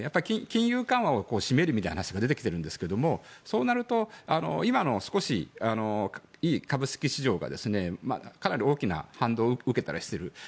金融緩和をしめるみたいな話が出てきていますがそうなると、今の少しいい株式市場がかなり大きな反動を受けたりしてる。